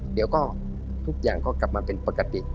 เดี๋ยวก็ทุกอย่างก็กลับมาเป็นปกติ